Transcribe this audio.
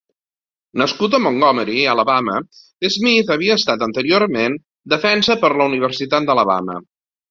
Nascut a Montgomery, Alabama, Smith havia estat, anteriorment defensa per la Universitat d'Alabama.